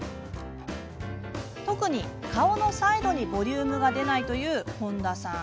特に、顔のサイドにボリュームが出ないという本田さん。